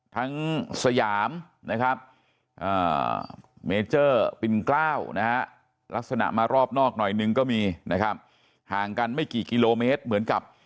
สยามนะครับเมเจอร์ปินกล้าวนะฮะลักษณะมารอบนอกหน่อยนึงก็มีนะครับห่างกันไม่กี่กิโลเมตรเหมือนกับ